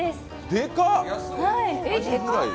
でかっ！